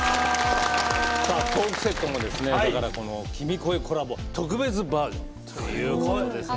さあトークセットもですねだからこの「君声」コラボ特別バージョンということですね。